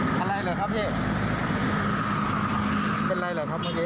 เป็นอะไรเหรอครับเมื่อกี้